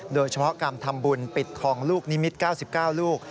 โดยเฉพาะการทำบุญปิดทองลูกนิมิตร๙๙ลูก